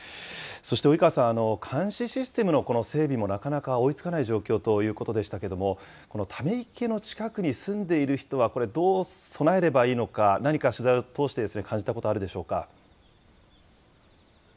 そして、及川さん、監視システムのこの整備も、なかなか追いつかない状況ということでしたけども、このため池の近くに住んでいる人はこれ、どう備えればいいのか、何か取材を通して感じたことあるでしょう